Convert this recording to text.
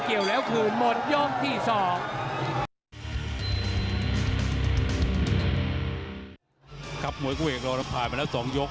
เกี่ยวแล้วคืนหมดโย่งที่สอง